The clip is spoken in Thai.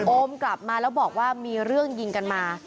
โอมกลับมาแล้วบอกว่ามีเรื่องยิงกันมา